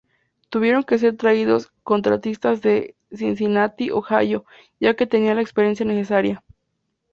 Tuvieron que ser traídos contratistas de Cincinnati, Ohio, ya que tenían la experiencia necesaria.